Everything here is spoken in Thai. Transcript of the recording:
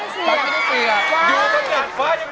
กีตาร์เหรอกีตาร์เหรอไม่ใช่